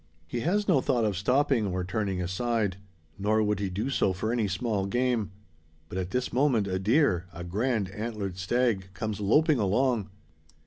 He has no thought of stopping, or turning aside; nor would he do so for any small game. But at this moment a deer a grand antlered stag comes "loping" along.